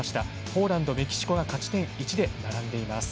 ポーランド、メキシコが勝ち点１で並んでいます。